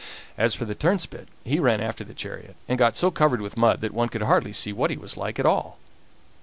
As for the turnspit, he ran after the chariot, and got so covered with mud that one could hardly see what he was like at all.